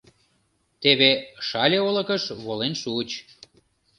Теве Шале олыкыш волен шуыч.